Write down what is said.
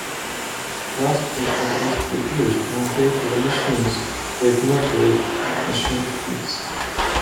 Kraft paper is produced on paper machines with moderate machine speeds.